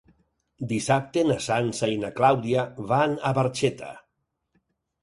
Dissabte na Sança i na Clàudia van a Barxeta.